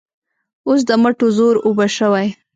اوس د مټو زور اوبه شوی.